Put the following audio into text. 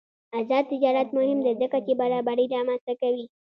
آزاد تجارت مهم دی ځکه چې برابري رامنځته کوي.